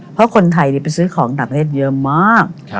เพราะคนไทยไปซื้อของต่างประเทศเยอะมาก